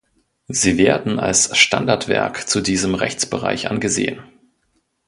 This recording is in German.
Sie werden als Standardwerk zu diesem Rechtsbereich angesehen.